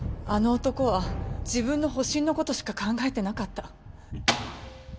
あの男は自分の保身の事しか考えてなかった。